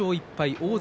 大関